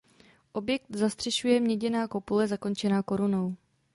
Objekt zastřešuje měděná kopule zakončená korunou.